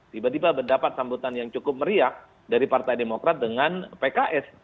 tiba tiba mendapat sambutan yang cukup meriah dari partai demokrat dengan pks